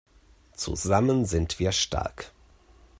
Zusammen sind wir stark